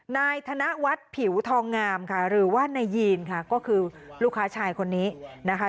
นายธนวัฒน์ผิวทองงามค่ะหรือว่านายยีนค่ะก็คือลูกค้าชายคนนี้นะคะ